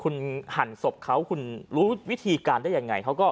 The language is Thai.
คุณหั่นศพเขาคุณรู้วิธีการได้ยังไงเขาก็